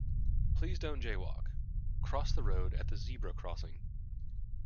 Please don't jay-walk: cross the road at the zebra crossing